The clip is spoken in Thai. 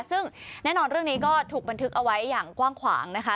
ซึ่งแน่นอนเรื่องนี้ก็ถูกบันทึกเอาไว้อย่างกว้างขวางนะคะ